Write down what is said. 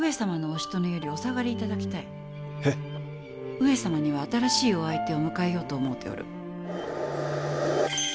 上様には新しいお相手を迎えようと思うておる。